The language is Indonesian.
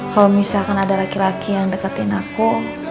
kalau misalkan ada laki laki yang deketin aku